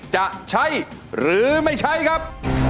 จะใช้หรือไม่ใช้ครับ